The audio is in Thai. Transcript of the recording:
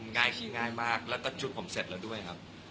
ง่ายขี้ง่ายมากแล้วก็ชุดผมเสร็จแล้วด้วยครับ